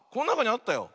あったよ。